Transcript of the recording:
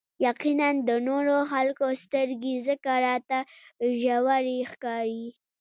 يقيناً د نورو خلکو سترګې ځکه راته ژورې ښکاري.